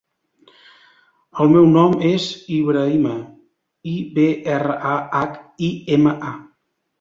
El meu nom és Ibrahima: i, be, erra, a, hac, i, ema, a.